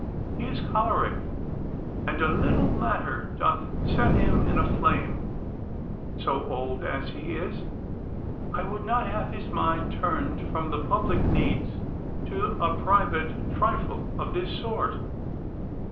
He is choleric, and a little matter doth set him in a flame, so old as he is. I would not have his mind turned from the public needs to a private trifle of this sort.